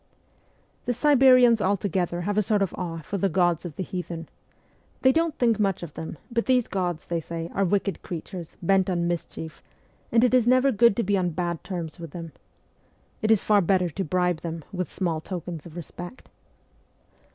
The Siberians altogether have a sort of awe for the gods of the heathen. They don't think much of them, but these gods, they say, are wicked creatures, bent on mischief, and it is never good to be on bad terms with them. It is far better to bribe them with small tokens of respect.